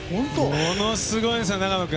ものすごいんですよ、長野君。